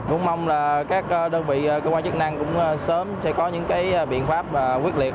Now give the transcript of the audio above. cũng mong là các đơn vị cơ quan chức năng cũng sớm sẽ có những biện pháp quyết liệt